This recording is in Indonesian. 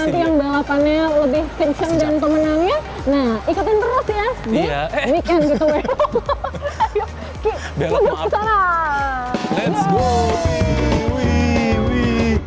nanti yang balapannya lebih fiction dan pemenangnya nah iketin terus ya ya weekend gitu ya ayo